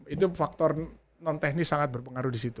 itu faktor non teknis sangat berpengaruh disitu